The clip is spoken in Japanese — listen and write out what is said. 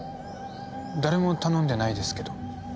誰も頼んでないですけど